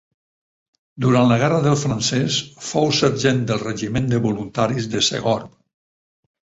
Durant la guerra del Francès fou sergent del Regiment de Voluntaris de Sogorb.